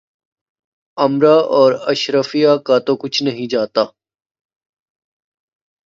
امرا اور اشرافیہ کا تو کچھ نہیں جاتا۔